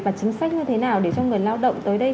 và chính sách như thế nào để cho người lao động tới đây